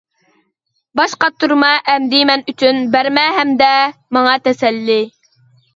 باش قاتۇرما ئەمدى مەن ئۈچۈن، بەرمە ھەمدە ماڭا تەسەللى.